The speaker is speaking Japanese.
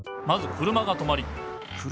車が止まり。